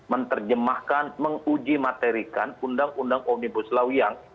menerjemahkan menguji materikan undang undang omnibus law yang